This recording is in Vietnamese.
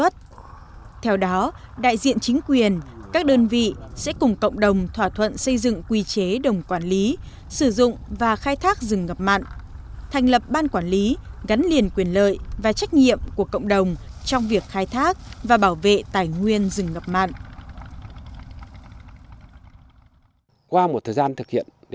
theo đó đại diện chính quyền các đơn vị sẽ cùng cộng đồng thỏa thuận xây dựng quy chế đồng quản lý sử dụng và khai thác rừng ngập mặn thành lập ban quản lý gắn liền quyền lợi và trách nhiệm của cộng đồng trong việc khai thác và bảo vệ tài nguyên rừng ngập mặn